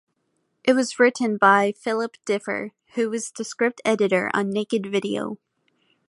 It was written by Philip Differ who was the script editor on "Naked Video".